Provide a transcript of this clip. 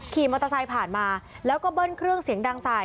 ขี่มอเตอร์ไซค์ผ่านมาแล้วก็เบิ้ลเครื่องเสียงดังใส่